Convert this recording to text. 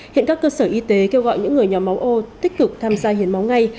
hiện các cơ sở y tế kêu gọi những người nhóm máu ô tích cực tham gia hiến máu ngay